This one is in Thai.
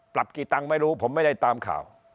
ปรับกี่ตังค์ไม่รู้ผมไม่ได้ตามข่าว